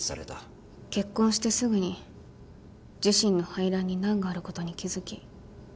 結婚してすぐに自身の排卵に難があることに気付き